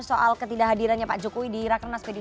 soal ketidakhadirannya pak jokowi di rakyat nas pdip